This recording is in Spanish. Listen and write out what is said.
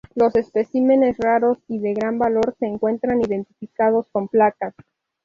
Los especímenes raros y de gran valor se encuentran identificados con placas.